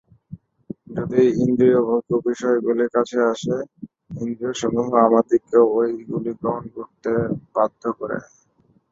যদি ইন্দ্রিয়ভোগ্য বিষয়গুলি কাছে আসে, ইন্দ্রিয়সমূহ আমাদিগকে ঐগুলি গ্রহণ করিতে বাধ্য করে।